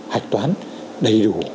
hạch toán đầy đủ